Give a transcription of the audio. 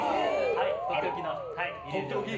はい、とっておきの。